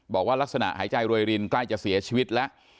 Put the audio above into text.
บอกว่าลักษณะหายใจรวยรินใกล้จะเสียชีวิตแล้ว